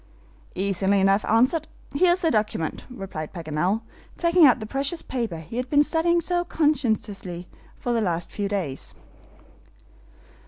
"Easily enough answered. Here is the document," replied Paganel, taking out the precious paper he had been studying so conscientiously for the last few days.